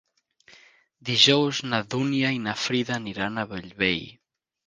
Dijous na Dúnia i na Frida aniran a Bellvei.